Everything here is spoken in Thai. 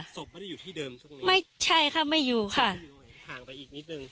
ศพไม่ได้อยู่ที่เดิมช่วงนี้ไม่ใช่ค่ะไม่อยู่ค่ะห่างไปอีกนิดนึง